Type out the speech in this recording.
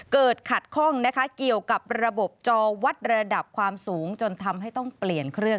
เกิดขัดข้องนะคะเกี่ยวกับระบบจอวัดระดับความสูงจนทำให้ต้องเปลี่ยนเครื่อง